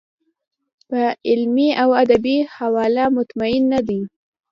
په علمي او ادبي حواله مطمین نه دی.